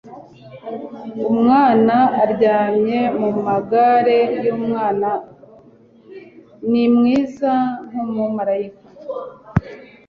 umwana uryamye mumagare yumwana ni mwiza nkumumarayika